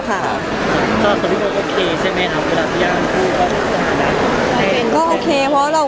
ตัวพี่ป๊อกโอเคใช่มั้ยครับ